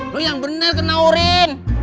lo yang bener kena urin